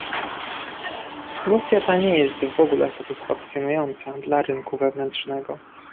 Sytuacja ta nie jest w ogóle satysfakcjonująca dla rynku wewnętrznego